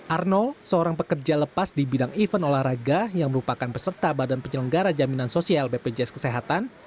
arnol seorang pekerja lepas di bidang event olahraga yang merupakan peserta badan penyelenggara jaminan sosial bpjs kesehatan